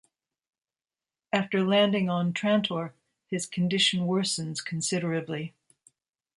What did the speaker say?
After landing on Trantor his condition worsens considerably.